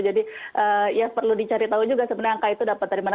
jadi ya perlu dicari tahu juga sebenarnya angka itu dapat dari mana